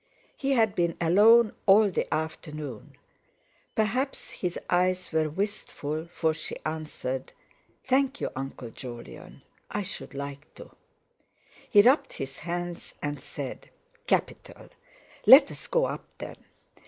He had been alone all the afternoon. Perhaps his eyes were wistful, for she answered: "Thank you, Uncle Jolyon. I should like to." He rubbed his hands, and said: "Capital! Let's go up, then!"